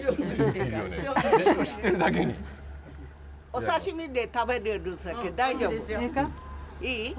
お刺身で食べれるさけ大丈夫。